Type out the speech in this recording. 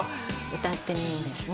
歌ってるんですね